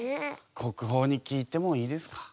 国宝に聞いてもいいですか？